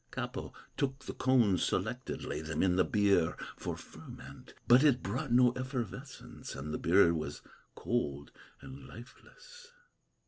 Kapo took the cones selected, Laid them in the beer for ferment, But it brought no effervescence, And the beer was cold and lifeless.